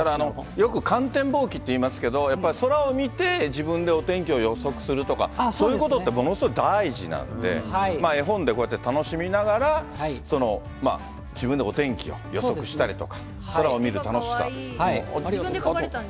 よく観天望気っていいますけれども、やっぱり空を見て、自分でお天気を予測するとか、そういうことってものすごい大事なので、絵本でこうやって楽しみながら、自分でお天気を予測したりとか、空を見る楽しさも。